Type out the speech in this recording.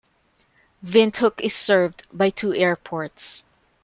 Windhoek is served by two airports.